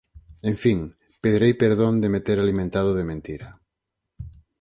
En fin, pedirei perdón de me ter alimentado de mentira.